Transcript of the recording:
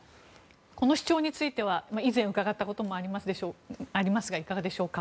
この主張については以前、伺ったこともありますがいかがでしょうか。